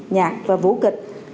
nhạc và vũ kịch